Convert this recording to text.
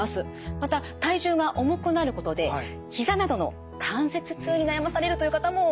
また体重が重くなることで膝などの関節痛に悩まされるという方も多くいます。